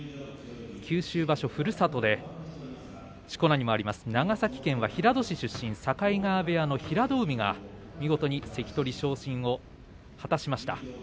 九州場所、ふるさとでしこ名にもあります、長崎県平戸市出身境川部屋の平戸海が見事、関取昇進を果たしました。